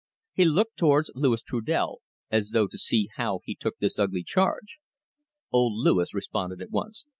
He looked towards Louis Trudel, as though to see how he took this ugly charge. Old Louis responded at once.